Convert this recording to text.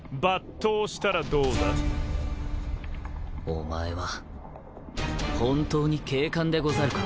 お前は本当に警官でござるか？